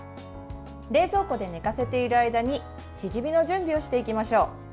冷蔵庫で寝かせている間にチヂミの準備をしていきましょう。